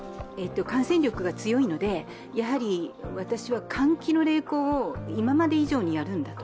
感染力が強いので、やはり私は換気の励行を今まで以上にやるんだと。